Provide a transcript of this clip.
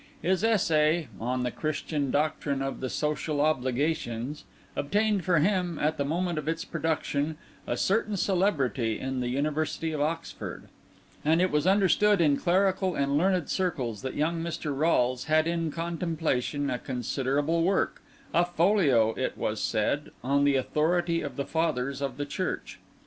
His essay "On the Christian Doctrine of the Social Obligations" obtained for him, at the moment of its production, a certain celebrity in the University of Oxford; and it was understood in clerical and learned circles that young Mr. Rolles had in contemplation a considerable work—a folio, it was said—on the authority of the Fathers of the Church.